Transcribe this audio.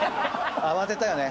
慌てたよね。